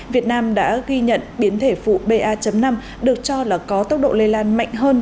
việt nam đã ghi nhận biến thể phụ ba năm được cho là có tốc độ lây lan mạnh hơn